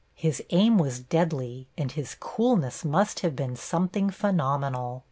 His aim was deadly and his coolness must have been something phenomenal.